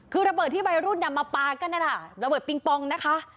คือระเบิดที่วัยรุ่นนำมาปลากันนั่นน่ะระเบิดปิงปองนะคะ